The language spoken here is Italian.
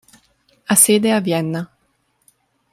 Ha sede a Vienna.